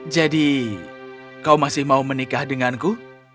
jadi kau masih mau menikah denganku